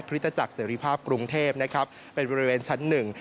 ตจักรเสรีภาพกรุงเทพนะครับเป็นบริเวณชั้นหนึ่ง